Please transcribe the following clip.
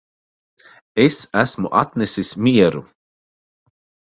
Es esmu atnesis mieru